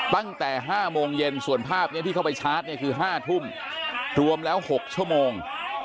ตั้งแต่๕โมงเย็นส่วนภาพนี้ที่เข้าไปชาร์จเนี่ยคือ๕ทุ่มรวมแล้ว๖ชั่วโมง